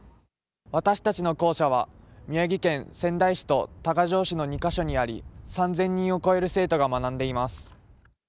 私たちの校舎は宮城県仙台市と多賀城市の２か所にあり３０００人を超える生徒が学んでいます。